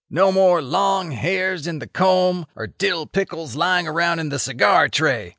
No more long hairs in the comb or dill pickles lying around in the cigar tray.